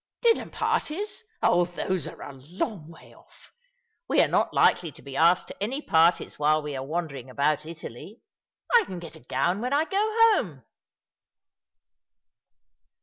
"Dinner parties! Oh, those are a long way oSF. We are not likely to be asked to any parties while we are wandering about Italy. I can get a gown when I go home."